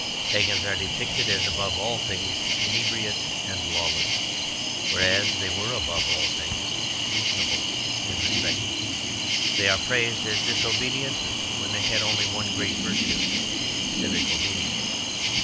Pagans are depicted as above all things inebriate and lawless, whereas they were above all things reasonable and respectable. They are praised as disobedient when they had only one great virtue civic obedience.